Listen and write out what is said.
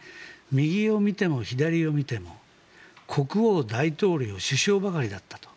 右を見ても左を見ても国王、大統領首相ばかりだったと。